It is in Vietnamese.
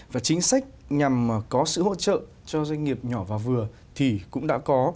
và chính sách nhằm có sự hỗ trợ cho doanh nghiệp nhỏ và vừa thì cũng đã có